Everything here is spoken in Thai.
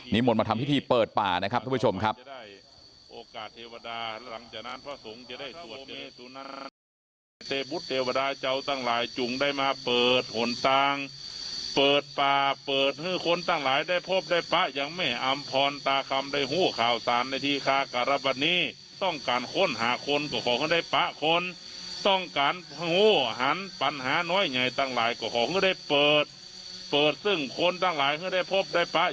มนต์มาทำพิธีเปิดป่านะครับท่านผู้ชมครับ